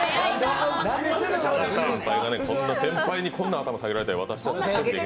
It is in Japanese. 先輩にこんな頭下げられたら。